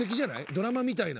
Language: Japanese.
ドラマみたいな。